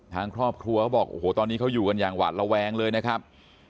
ทางครอบครัวเขาบอกโอ้โหตอนนี้เขาอยู่กันอย่างหวาดระแวงเลยนะครับ